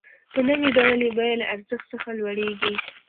په نوي ډول یې بیه له ارزښت څخه لوړېږي